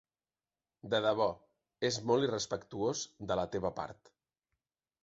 De debò, és molt irrespectuós de la teva part!